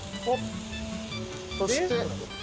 そして。